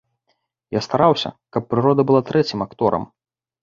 Я стараўся, каб прырода была трэцім акторам.